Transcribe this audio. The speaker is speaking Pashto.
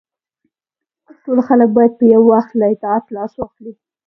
ټول خلک باید په یو وخت له اطاعت لاس واخلي.